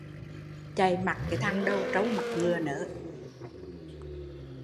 Chạy mặt thằng đầu trâu mặt ngựa nớ